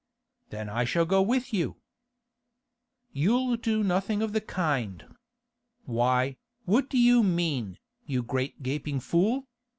'Then I shall go with you.' 'You'll do nothing of the kind. Why, what do you mean, you great gaping fool?